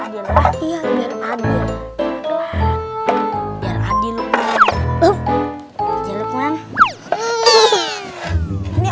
biar adil luqman